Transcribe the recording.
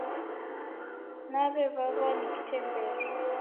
Naw'ew'aw'a ni vitemberu.